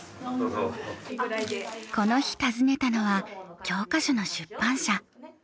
この日訪ねたのは教科書の出版社。